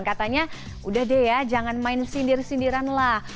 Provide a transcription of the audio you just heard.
katanya udah deh ya jangan main sindir sindiran lah